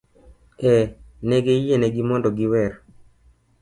Ee, ne giyienegi mondo giwer.